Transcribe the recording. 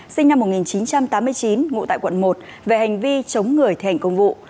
sinh năm một nghìn chín trăm tám mươi chín ngụ tại quận một về hành vi chống người thi hành công vụ